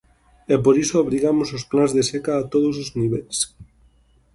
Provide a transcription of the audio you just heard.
E por iso obrigamos aos plans de seca a todos os niveis.